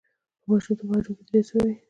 په ماشومتوب هډوکي درې سوه وي.